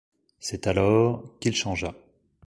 C'est alors... qu'il changea.